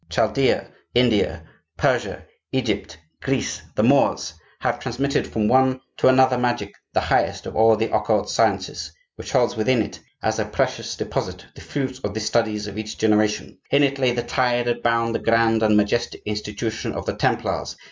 Chaldea, India, Persia, Egypt, Greece, the Moors, have transmitted from one to another Magic, the highest of all the occult sciences, which holds within it, as a precious deposit the fruits of the studies of each generation. In it lay the tie that bound the grand and majestic institution of the Templars.